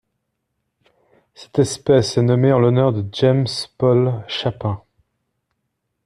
Cette espèce est nommée en l'honneur de James Paul Chapin.